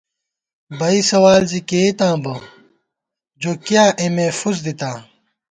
بئ سوال زی کېئیتاں بہ ، جو کېنا اېمے فُس دِتاں